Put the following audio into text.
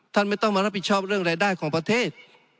ไม่ต้องมารับผิดชอบเรื่องรายได้ของประเทศ